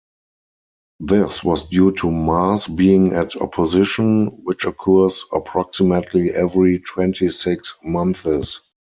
This was due to Mars being at opposition, which occurs approximately every twenty-six months.